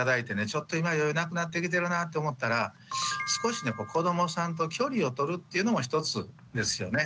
ちょっと今余裕なくなってきてるなって思ったら少しね子どもさんと距離をとるっていうのも一つですよね。